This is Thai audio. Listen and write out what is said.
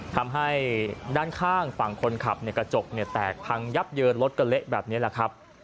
ทำให้ด้านข้างฝั่งคนขับกระจกแตกพังยับเยินรถก็เละแบบนี้แหละครับ